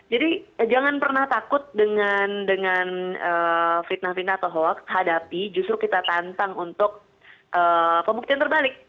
jadi jangan pernah takut dengan fitnah fitnah atau hoax hadapi justru kita tantang untuk pembuktian terbalik